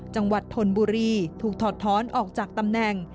จังหวัดธนบุรีถูกถอดท้อนออกจากตำแหน่ง